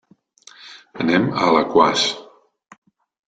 Anem a Alaquàs.